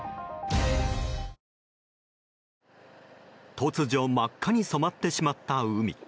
突如真っ赤に染まってしまった海。